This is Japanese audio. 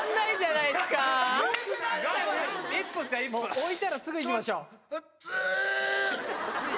置いたらすぐ行きましょう・熱っ！